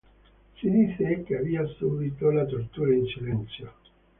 Si dice che abbia subito la tortura in silenzio.